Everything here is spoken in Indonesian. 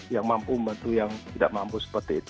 yang mampu membantu yang tidak mampu seperti itu